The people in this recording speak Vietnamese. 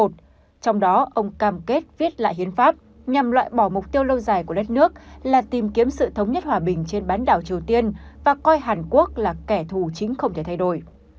trong đó ông cam kết viết lại hiến pháp nhằm loại bỏ mục tiêu lâu dài của đất nước là tìm kiếm sự thống nhất hòa bình trên bán đảo triều tiên và coi hàn quốc là kẻ thù chính không thể thay đổi